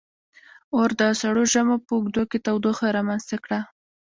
• اور د سړو ژمو په اوږدو کې تودوخه رامنځته کړه.